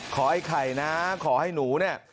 ไอ้ไข่นะขอให้หนูเนี่ย